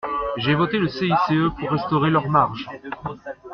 J’ai voté le CICE pour restaurer leurs marges.